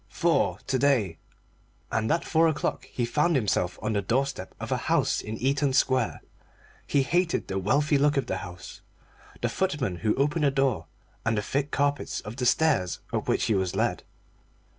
"Four to day." And at four o'clock he found himself on the doorstep of a house in Eaton Square. He hated the wealthy look of the house, the footman who opened the door, and the thick carpets of the stairs up which he was led.